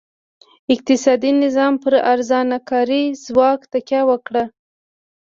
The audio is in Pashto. اقتصادي نظام پر ارزانه کاري ځواک تکیه وکړه.